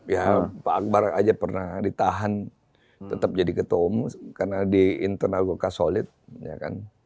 ya pak akbar aja pernah ditahan tetap jadi ketua umum karena di internal golkar solid ya kan